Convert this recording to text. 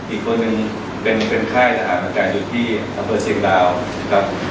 อีกคนนึงเป็นค่ายทหารอากาศยุทธิอัพเตอร์เช็งดาวก่อน